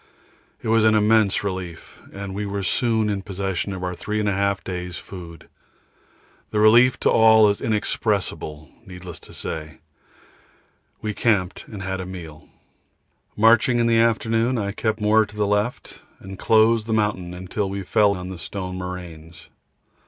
It was an immense relief, and we were soon in possession of our 3 1/2 days' food. The relief to all is inexpressible; needless to say, we camped and had a meal. Marching in the afternoon, I kept more to the left, and closed the mountain till we fell on the stone moraines.